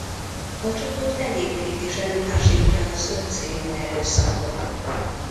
A csoport egyébként is elutasítja az öncélú erőszakot.